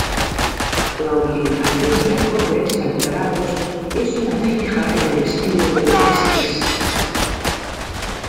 La utilización de acordes alterados es una fija en el estilo del ex Kiss.